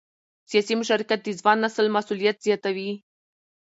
سیاسي مشارکت د ځوان نسل مسؤلیت زیاتوي